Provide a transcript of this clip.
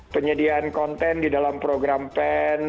penyediaan konten di dalam program pen